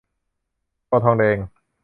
คอทองแดง